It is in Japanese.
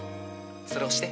それ押して。